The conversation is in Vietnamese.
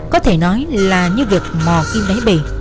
có thể nói là như việc mò kim đáy bể